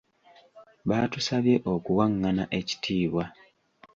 Baatusabye okuwangana ekitiibwa.